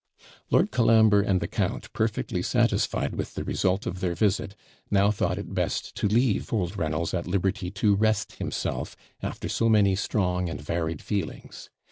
Lord Colambre and the count, perfectly satisfied with the result of their visit, now thought it best to leave old Reynolds at liberty to rest himself, after so many strong and varied feelings.